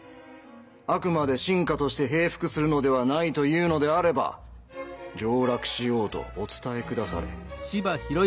あくまで臣下として平伏するのではないというのであれば上洛しようとお伝え下され。